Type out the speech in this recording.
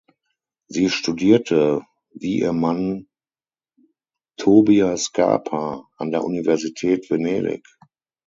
Sie studierte, wie ihr Mann Tobia Scarpa, an der Universität Venedig.